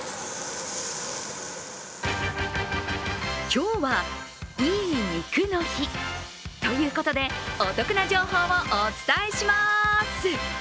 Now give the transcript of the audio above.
今日はいい肉の日ということでお得な情報をお伝えします。